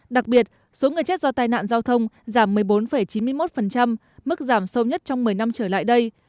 đặc biệt số người chết do tai nạn giao thông giảm một mươi bốn chín mươi một mức giảm sâu nhất trong một mươi năm trở lại đây